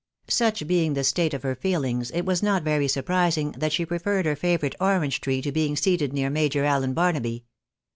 " Such being the state of her feelings, it was not very surprising that she preferred her favourite orange tree to being seated near Major Allen Barnaby.